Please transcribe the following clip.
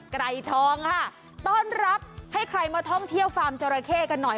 ไก่ทองค่ะต้อนรับให้ใครมาท่องเที่ยวฟาร์มจราเข้กันหน่อย